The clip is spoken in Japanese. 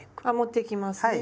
あ持っていきますね。